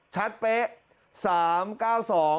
ชัดเป๊ะ๓๙๒